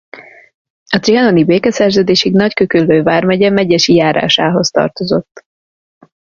A trianoni békeszerződésig Nagy-Küküllő vármegye Medgyesi járásához tartozott.